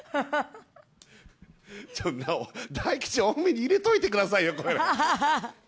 ちょっと、大吉多めに入れといてくださいよ、これ。